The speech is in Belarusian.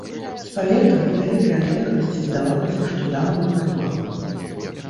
З паветра і вялікай адлегласці здавалася, што дамбу прарвала.